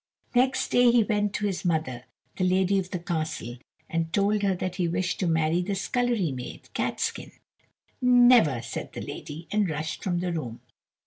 Next day he went to his mother, the lady of the castle, and told her that he wished to marry the scullery maid, Catskin. "Never," said the lady, and rushed from the room.